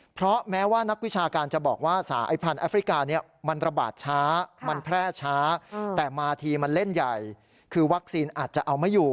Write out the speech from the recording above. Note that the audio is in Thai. เพราะแม้ว่านักวิชาการจะบอกว่าสายพันธ์แอฟริกาเนี่ยมันระบาดช้ามันแพร่ช้าแต่มาทีมันเล่นใหญ่คือวัคซีนอาจจะเอาไม่อยู่